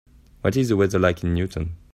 What is the weather like in Newton